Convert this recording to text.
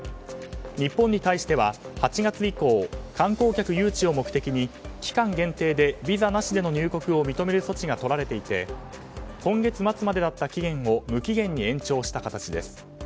日本に対しては８月以降観光客誘致を目的に期間限定でビザなしでの入国を認める措置がとられていて今月末までだった期限を無期限に延長した形です。